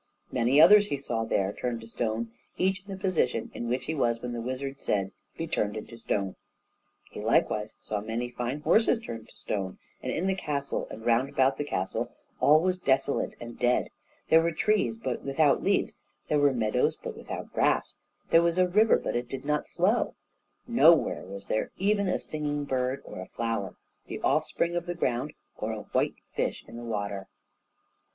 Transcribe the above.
Many others he saw there turned to stone, each in the position in which he was when the wizard said, "Be turned into stone." He likewise saw many fine horses turned to stone, and in the castle and round the castle all was desolate and dead; there were trees, but without leaves; there were meadows, but without grass; there was a river but it did not flow; nowhere was there even a singing bird, or a flower, the offspring of the ground, or a white fish in the water.